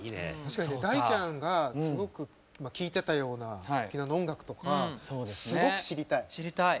大ちゃんがすごく聴いてたような沖縄の音楽とかすごく知りたい。